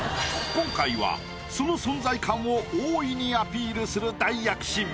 今回はその存在感を大いにアピールする大躍進。